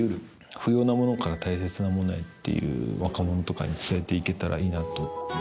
不要なものから大切なものへっていう若者とかに伝えて行けたらいいなと。